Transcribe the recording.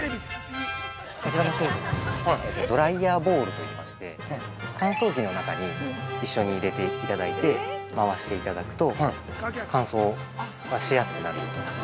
◆こちらの商品は、「ドライヤーボール」といいまして乾燥機の中に一緒に入れていただいて回していただくと乾燥がしやすくなります。